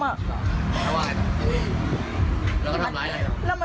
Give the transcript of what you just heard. อ้าวแล้วก็ทำร้าย